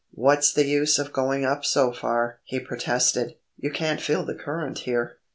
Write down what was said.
"What's the use of going up so far?" he protested; "you can't feel the current here."